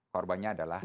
korbannya adalah hitam